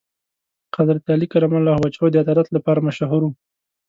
حضرت علی کرم الله وجهه د عدالت لپاره مشهور و.